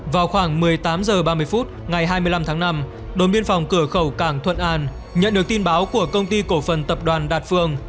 vào khoảng một mươi tám h ba mươi phút ngày hai mươi năm tháng năm đồn biên phòng cửa khẩu cảng thuận an nhận được tin báo của công ty cổ phần tập đoàn đạt phương